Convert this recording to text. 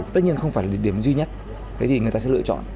tất nhiên không phải là điểm duy nhất thế thì người ta sẽ lựa chọn